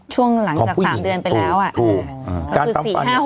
ช่วงหลังจาก๓เดือนไปแล้วคือ๔๕๖